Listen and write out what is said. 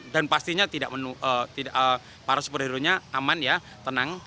dan pastinya para superhero aman ya tenang